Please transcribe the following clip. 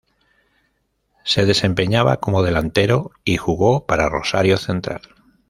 Se desempeñaba como delantero y jugó para Rosario Central.